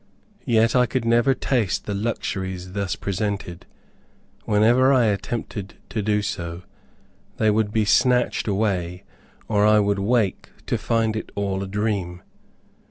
Yet I could never taste the luxuries thus presented. Whenever I attempted to do so, they would be snatched away, or I would wake to find it all a dream.